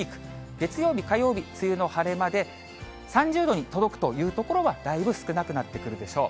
月曜日、火曜日、梅雨の晴れ間で、３０度に届くという所はだいぶ少なくなってくるでしょう。